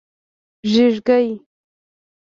🦔 ږېږګۍ